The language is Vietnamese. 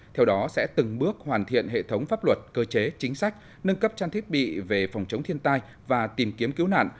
theo đó sẽ từng bước hoàn thiện hệ thống pháp luật cơ chế chính sách nâng cấp trang thiết bị về phòng chống thiên tai và tìm kiếm cứu nạn